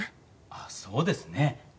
ああそうですね。